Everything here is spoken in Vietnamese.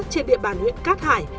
trên địa bàn huyện cát hải